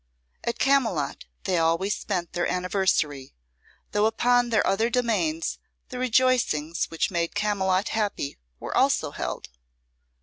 At Camylott they always spent their anniversary, though upon their other domains the rejoicings which made Camylott happy were also held.